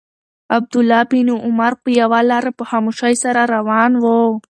عبدالله بن عمر پر یوه لاره په خاموشۍ سره روان و.